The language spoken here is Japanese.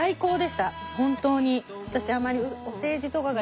本当に。